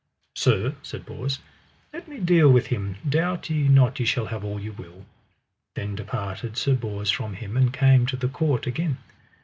Sir, said Bors, let me deal with him, doubt ye not ye shall have all your will. Then departed Sir Bors from him and came to the court again.